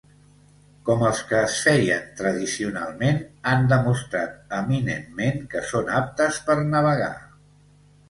Com els que es feien tradicionalment, han demostrat eminentment que són aptes per navegar.